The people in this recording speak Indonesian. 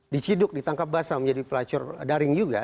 diciduk ditangkap basah menjadi pelacur daring juga